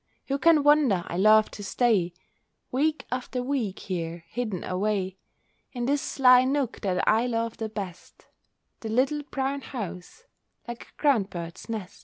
Who can wonder I love to stay, Week after week, here hidden away, In this sly nook that I love the best— The little brown house, like a ground bird's nest?